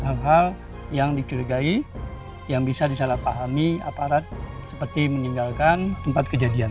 hal hal yang dicurigai yang bisa disalahpahami aparat seperti meninggalkan tempat kejadian